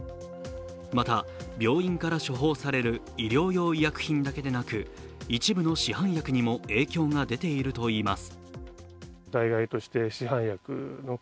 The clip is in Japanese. また、病院から処方される医療用医薬品だけでなく一部の市販薬に影響が出ているといいます。